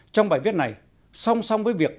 trong bài viết này song song với bài viết này